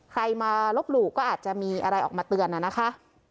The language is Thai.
ใครมาลบหลู่ก็อาจจะมีอะไรออกมาเตือนน่ะนะคะ